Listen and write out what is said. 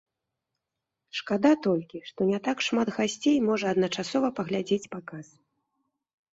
Шкада толькі, што не так шмат гасцей можа адначасова паглядзець паказ.